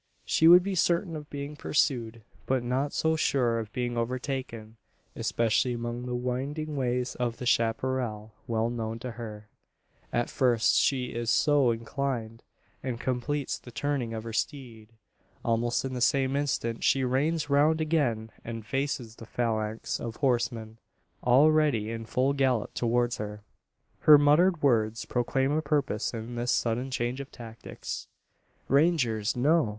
She would be certain of being pursued, but not so sure of being overtaken especially among the winding ways of the chapparal, well known to her. At first she is so inclined; and completes the turning of her steed. Almost in the same instant, she reins round again; and faces the phalanx of horsemen, already in full gallop towards her. Her muttered words proclaim a purpose in this sudden change of tactics. "Rangers no!